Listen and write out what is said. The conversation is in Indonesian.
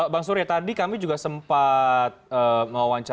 bang surya tadi kami juga sempat mewawancarai